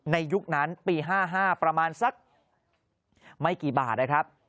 ยุคนั้นปี๕๕ประมาณสักไม่กี่บาทนะครับ